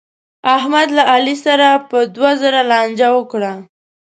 احمد له علي سره په دوه زره لانجه وکړه.